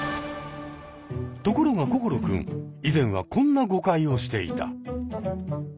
ところが心君以前はこんな誤解をしていた。